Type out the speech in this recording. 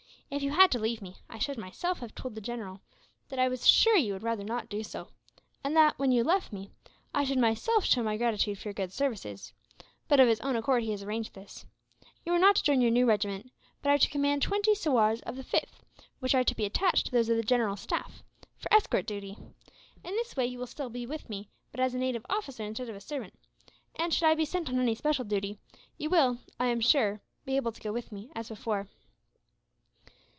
If you had had to leave me I should, myself, have told the general that I was sure you would rather not do so; and that, when you left me, I should myself show my gratitude for your good services; but of his own accord he has arranged this. You are not to join your new regiment, but are to command twenty sowars of the 5th, which are to be attached to those of the general's staff, for escort duty. In this way you will still be with me, but as a native officer instead of a servant; and should I be sent on any special duty you will, I am sure, be able to go with me, as before."